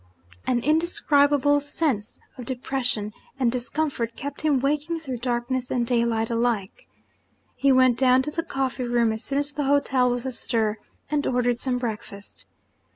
An indescribable sense of depression and discomfort kept him waking through darkness and daylight alike. He went down to the coffee room as soon as the hotel was astir, and ordered some breakfast.